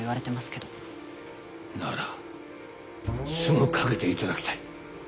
ならすぐかけていただきたい。